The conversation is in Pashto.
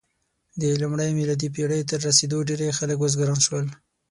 د لومړۍ میلادي پېړۍ تر رسېدو ډېری خلک بزګران شول.